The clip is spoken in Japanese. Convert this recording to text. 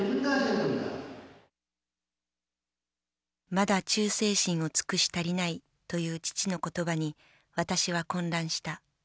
「まだ忠誠心を尽くし足りない」という父の言葉に私は混乱した。